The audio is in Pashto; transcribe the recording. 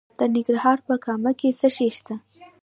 د ننګرهار په کامه کې څه شی شته؟